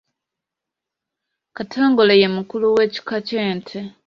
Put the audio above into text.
Katongole ye mukulu w’ekika ky’ente.